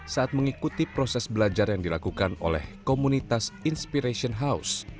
saat mengikuti proses belajar yang dilakukan oleh komunitas inspiration house